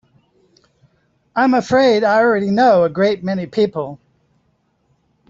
I'm afraid I already know a great many people.